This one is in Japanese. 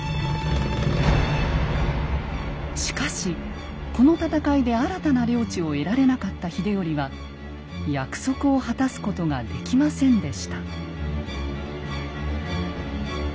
しかしこの戦いで新たな領地を得られなかった秀頼は約束を果たすことができませんでした。